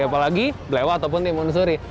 apalagi belewah ataupun limun suri